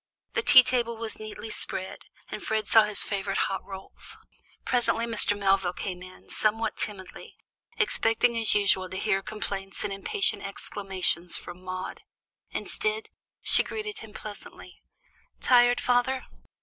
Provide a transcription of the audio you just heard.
The tea table was neatly spread and Fred saw his favorite hot rolls. Presently Mr. Melvin came in, somewhat timidly, expecting as usual to hear complaints and impatient exclamations from Maude. Instead, she greeted him pleasantly. "Tired, father?